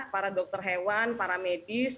para dokter hewan para medis